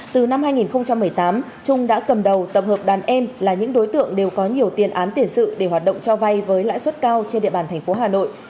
từ năm hai nghìn một mươi tám trung đã cầm đầu tập hợp đàn em là những đối tượng đều có nhiều tiền án tiền sự để hoạt động cho vay với lãi suất cao trên địa bàn thành phố hà nội